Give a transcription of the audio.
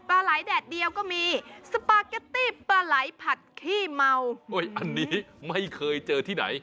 ปลาไหลแดดเดียวก็มีปลาไหลผัดขี้เมาโอ้ยอันนี้ไม่เคยเจอที่ไหน